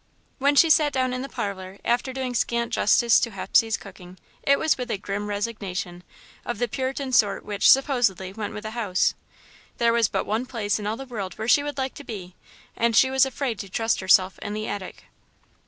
When she sat down in the parlour, after doing scant justice to Hepsey's cooking, it was with a grim resignation, of the Puritan sort which, supposedly, went with the house. There was but one place in all the world where she would like to be, and she was afraid to trust herself in the attic.